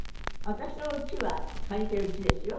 私のうちは借りてるうちですよ。